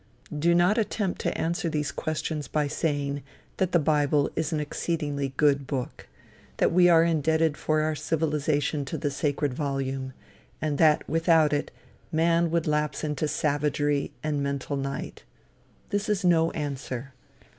Do not attempt to answer these questions by saying, that the bible is an exceedingly good book, that we are indebted for our civilization to the sacred volume, and that without it, man would lapse into savagery, and mental night. This is no answer.